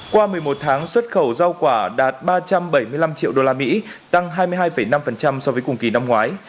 qua một mươi một tháng xuất khẩu rau quả đạt ba trăm bảy mươi năm triệu usd tăng hai mươi hai năm so với cùng kỳ năm ngoái